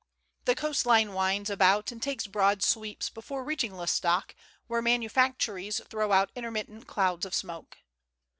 The coast line winds about and takes broad sweeps before reaching L'Estaque, where manufactories throw out intermittent clouds of smoke.